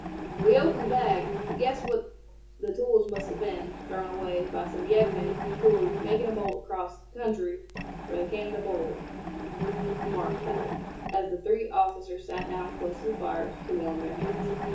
"We opened the bag, and guessed that the tools must have been thrown away by some yeggmen who were making a bolt across country for the Canada border," remarked Thad, as the three officers sat down close to the fire to warm their hands.